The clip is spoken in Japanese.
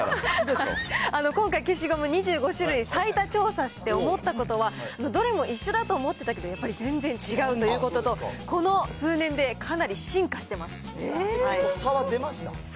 今回、消しゴム２５種類最多調査して思ったことは、どれも一緒だと思ってたけど、やっぱり全然違うということと、こ差は出ました？